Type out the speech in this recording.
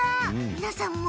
皆さんも？